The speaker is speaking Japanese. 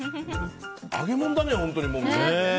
揚げ物だね、本当に。